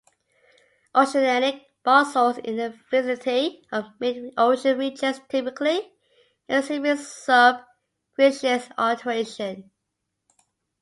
Oceanic basalts in the vicinity of mid-ocean ridges typically exhibit sub-greenschist alteration.